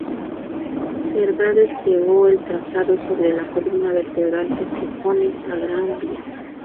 Cerdá desplegó el trazado sobre la columna vertebral que supone la Gran Vía.